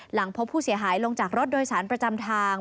หลังพบผู้เสียหายลงจากรถโดยสารประจำทาง